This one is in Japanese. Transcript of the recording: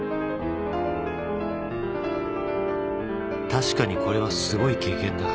確かにこれはすごい経験だ。